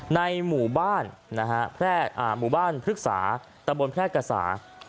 ในหมู่บ้านพฤกษาตะบนแพร่กระสา